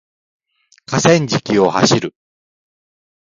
河川敷を走る